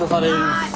はい。